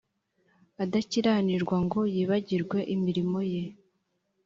adakiranirwa ngo yibagirwe imirimo yawe